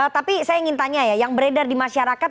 tapi saya ingin tanya ya yang beredar di masyarakat